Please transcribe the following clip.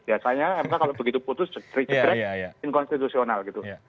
biasanya mk kalau begitu putus cekrek cekrek inkonstitusional gitu